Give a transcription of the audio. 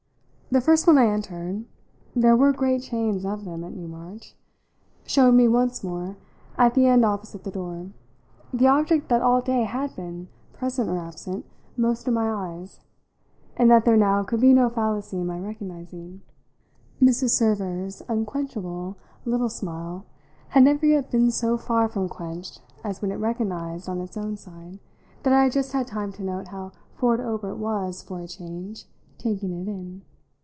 The first one I entered there were great chains of them at Newmarch showed me once more, at the end opposite the door, the object that all day had been, present or absent, most in my eyes, and that there now could be no fallacy in my recognising. Mrs. Server's unquenchable little smile had never yet been so far from quenched as when it recognised, on its own side, that I had just had time to note how Ford Obert was, for a change, taking it in.